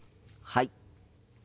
はい。